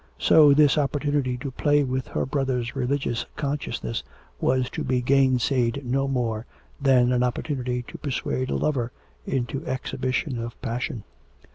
So this opportunity to play with her brother's religious consciousness was to be gainsayed no more than an opportunity to persuade a lover into exhibition of passion.